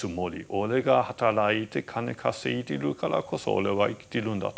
俺が働いて金稼いでいるからこそ俺は生きているんだと。